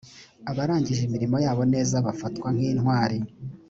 abarangije imirimo yabo neza bafatwa nkintwari.